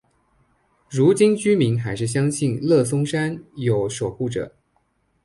如今居民还是相信乐松山有守护者。